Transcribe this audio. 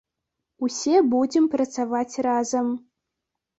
Усе будзем працаваць разам.